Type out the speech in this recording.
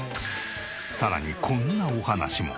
さらにこんなお話も。